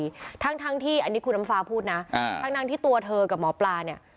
ขั้นบุพการีทั้งที่อันนี้คุณอำฟาพูดนะตั้งที่ตัวเธอกับหมอปลาเนี่ย